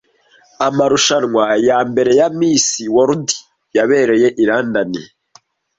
Amarushanwa ya mbere ya Miss World yabereye i London